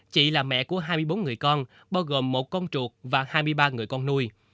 chị là mẹ của hai mươi bốn người con bao gồm một con chuột và hai mươi ba người con nuôi